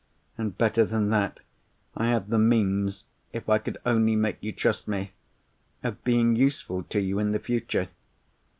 And better than that, I had the means (if I could only make you trust me) of being useful to you in the future.